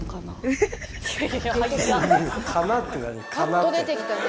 パッと出てきたね。